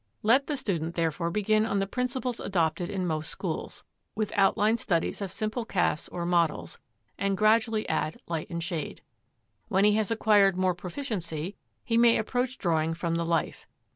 Let the student therefore begin on the principles adopted in most schools, with outline studies of simple casts or models, and gradually add light and shade. When he has acquired more proficiency he may approach drawing from the life.